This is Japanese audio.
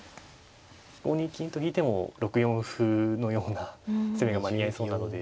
５二金と引いても６四歩のような攻めが間に合いそうなので。